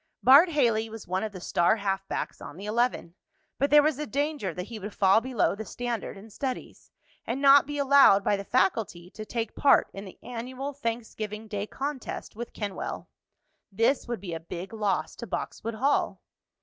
Bart Haley was one of the star halfbacks on the eleven, but there was a danger that he would fall below the standard in studies, and not be allowed by the faculty to take part in the annual Thanksgiving day contest with Kenwell. This would be a big loss to Boxwood Hall.